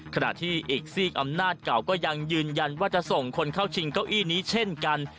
ขณะที่อีกซีกอำนาจเก่าก็ยังยืนยันว่าจะส่งคนเข้าชิงเก้าอี้นี้เช่นกัน